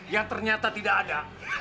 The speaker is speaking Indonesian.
yang ternyata tidak ada